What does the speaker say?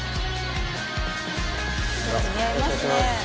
似合いますね